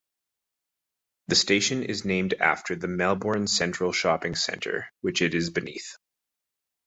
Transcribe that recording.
The station is named after the Melbourne Central Shopping Centre which it is beneath.